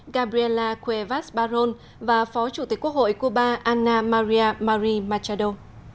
gabriela cuevas barón và phó chủ tịch quốc hội cuba ana maria marie machado